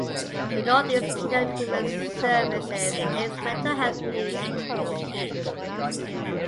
The Northeast Kingdom Human Services aids mental health needs.